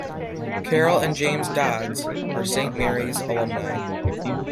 Carol and James Dodds are Saint Mary's alumni.